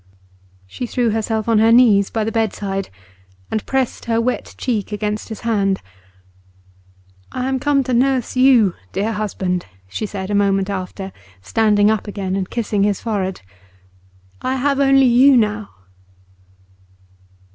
She threw herself on her knees by the bedside, and pressed her wet cheek against his hand. 'I am come to nurse you, dear husband,' she said a moment after, standing up again and kissing his forehead. 'I have only you now.